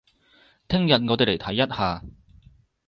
聽日我哋嚟睇一下